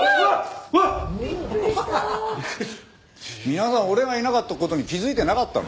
皆さん俺がいなかった事に気づいてなかったの？